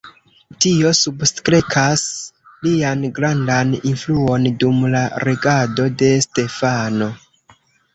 Tio substrekas lian grandan influon dum la regado de Stefano.